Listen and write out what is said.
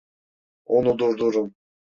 Onu durdurun!